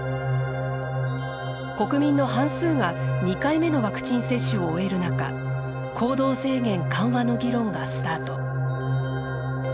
国民の半数が２回目のワクチン接種を終える中行動制限緩和の議論がスタート。